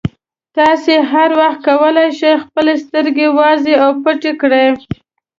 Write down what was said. تاسې هر وخت کولای شئ خپلې سترګې وازې او پټې کړئ.